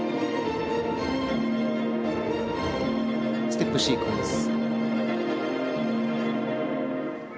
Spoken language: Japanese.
ステップシークエンス。